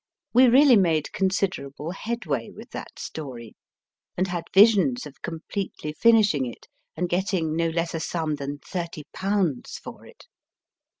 We really made considerable headway with that story ; and had visions of completely finishing it and getting no less a sum than thirty pounds for it.